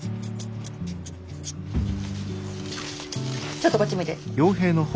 ちょっとこっち向いて。